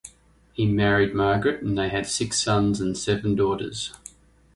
He married Margaret and they had six sons and seven daughters.